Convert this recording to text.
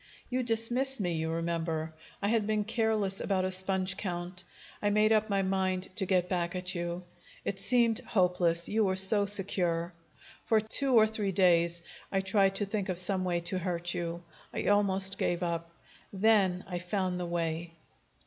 "You dismissed me, you remember. I had been careless about a sponge count. I made up my mind to get back at you. It seemed hopeless you were so secure. For two or three days I tried to think of some way to hurt you. I almost gave up. Then I found the way.